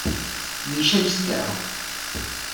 Míšeňského.